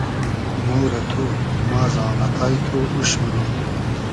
مۉ رۂ تو ، ما زامئتای تو اوش مونوم